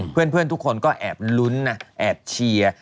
เพื่อนทุกคนก็แอบลุ้นนะแอบเชียร์